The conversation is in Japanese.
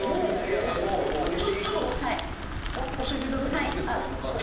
ちょっと教えていただいてもいいですか？